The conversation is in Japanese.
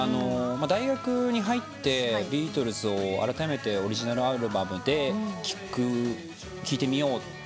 大学に入ってビートルズをあらためてオリジナルアルバムで聴いてみようってなったんです。